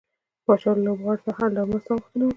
پاچا له لوبغاړو سره د هر ډول مرستې غوښتنه وکړه .